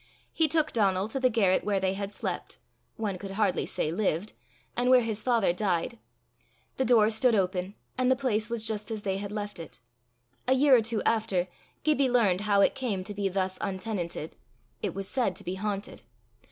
He took Donal to the garret where they had slept one could hardly say lived, and where his father died. The door stood open, and the place was just as they had left it. A year or two after, Gibbie learned how it came to be thus untenanted: it was said to be haunted.